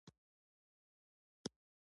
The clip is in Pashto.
استاد د کور، مکتب او ملت خدمت کوي.